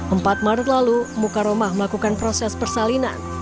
empat maret lalu mukaromah melakukan proses persalinan